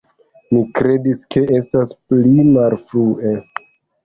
Mi kredis, ke estas pli malfrue.